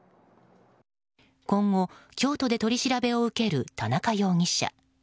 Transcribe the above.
今後、京都で取り調べを受ける田中容疑者。